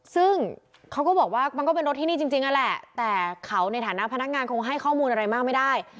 ซึ่งเขาก็บอกว่ามันก็เป็นรถที่นี่จริงนั่นแหละแต่เขาในฐานะพนักงานคงให้ข้อมูลอะไรมากไม่ได้